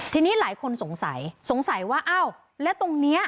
ทีนี้หลายคนสงสัยสงสัยว่าอ้าวแล้วตรงนี้